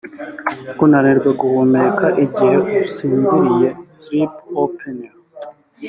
Kunanirwa guhumeka igihe usinziriye (sleep apnea)